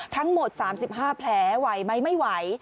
ทั้งหมด๓๕แผลไหวไหมไม่ไหว